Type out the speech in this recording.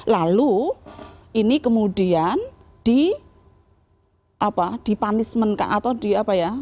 lalu ini kemudian dipanismenkan atau di apa ya